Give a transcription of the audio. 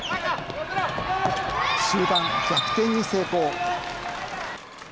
終盤、逆転に成功。